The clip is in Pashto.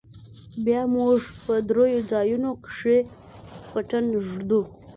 بيا موږ په درېو ځايونو کښې پټن ږدو.